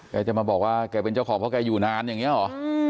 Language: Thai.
แกจะมาบอกว่าแกเป็นเจ้าของเพราะแกอยู่นานอย่างนี้หรอ